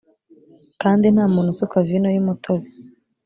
kandi nta muntu usuka vino y’ umutobe.